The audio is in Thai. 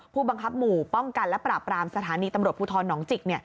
ผู้บังคับหมู่ป้องกันและปราบรามสถานีตำรวจภูทรหนองจิก